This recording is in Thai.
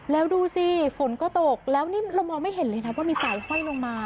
แล้วดูสิฝนก็ตกแล้วนี่เรามองไม่เห็นเลยนะว่ามีสายห้อยลงมา